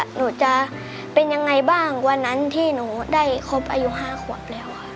หนูจะเป็นยังไงบ้างวันนั้นที่หนูได้ครบอายุ๕ขวบแล้วค่ะ